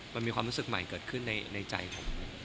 มันมีความรู้สึกใหม่เกิดขึ้นในใจผม